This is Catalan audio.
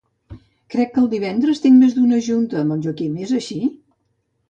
Crec que el divendres tinc més d'una junta amb en Joaquim; és així?